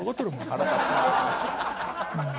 「腹立つな」